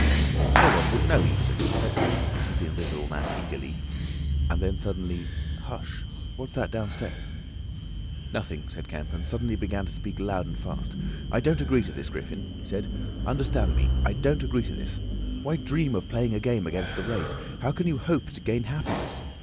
"No one would know he was a confederate," said the Invisible Man, eagerly. And then suddenly, "Hush! What's that downstairs?" "Nothing," said Kemp, and suddenly began to speak loud and fast. "I don't agree to this, Griffin," he said. "Understand me, I don't agree to this. Why dream of playing a game against the race? How can you hope to gain happiness?